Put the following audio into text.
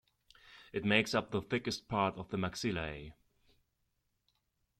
It makes up the thickest part of the maxillae.